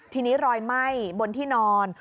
ทีนี้รอยไหม้บนที่นอน